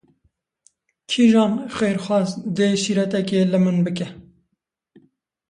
Kîjan xêrxwaz dê şîretekê li min bike?